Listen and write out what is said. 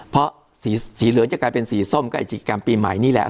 เพราะสีเหลืองจะกลายเป็นสีส้มก็ไอสีกรรมปีใหม่นี่แหละ